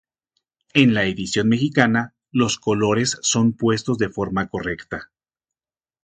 En la edición Mexicana los colores son puestos de forma correcta.